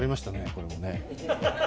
これもね。